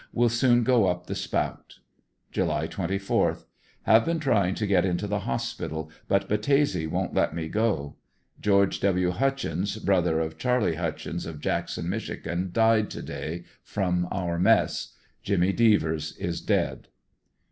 Will soon go up the spout. July 24. — Have been tryina: to get into the hospital, but Battese won't let me go. Geo. W. Hutchins, brother of Charlie Hutchins of Jackson, Mich., died to day — from our mess. Jimmy Devers is dead.